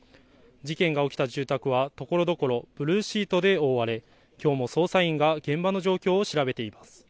事件が起きた住宅はところどころブルーシートで覆われ、きょうも捜査員が現場の状況を調べています。